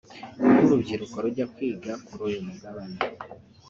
nk’urubyiruko rujya kwiga Kuri uyu mugabane